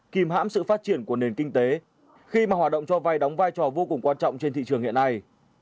kìm hãm sự phát triển của nền kinh tế khi mà hoạt động cho vay đóng vai trò vô cùng quan trọng trên thị trường hiện nay